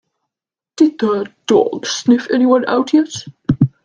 Did the dog sniff anyone out yet?